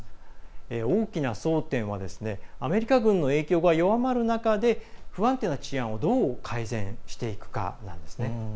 大きな争点はアメリカ軍の影響が弱まる中で不安定な治安をどう改善していくかなんですね。